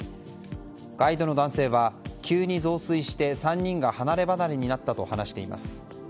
ガイドの男性は急に増水して３人が離れ離れになったと話しています。